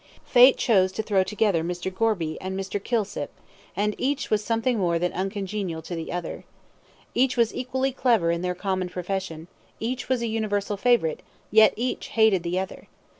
Fate chose to throw together Mr. Gorby and Mr. Kilsip, and each was something more than uncongenial to the other. Each was equally clever in their common profession; each was a universal favourite, yet each hated the other.